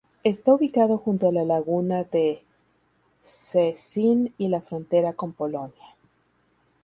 Está ubicado junto a la laguna de Szczecin y la frontera con Polonia.